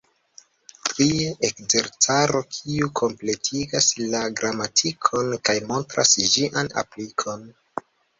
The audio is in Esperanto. Trie, Ekzercaro, kiu kompletigas la gramatikon kaj montras ĝian aplikon.